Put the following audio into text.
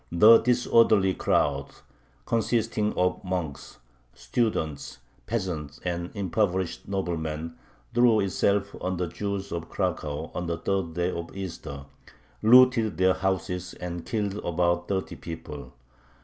The disorderly crowd, consisting of monks, students, peasants, and impoverished noblemen, threw itself on the Jews of Cracow on the third day of Easter, looted their houses, and killed about thirty people.